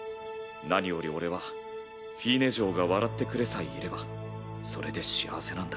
何より俺はフィーネ嬢が笑ってくれさえいればそれで幸せなんだ。